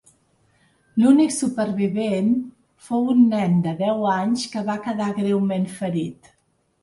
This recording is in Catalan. L'únic supervivent fou un nen de deu anys, que va quedar greument ferit.